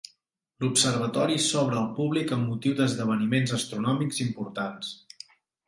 L'observatori s'obre al públic amb motiu d'esdeveniments astronòmics importants.